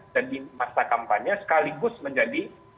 jadi masa kampanye sekaligus menjadi